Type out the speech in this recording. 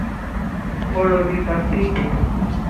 Polo Bipartito.